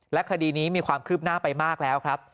คดีนี้มีความคืบหน้าไปมากแล้วครับ